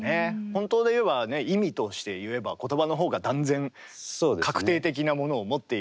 本当で言えば意味として言えば言葉のほうが断然確定的なものを持っている。